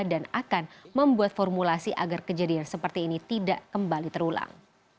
dan akan membuat formulasi agar kejadian seperti ini tidak kembali terulang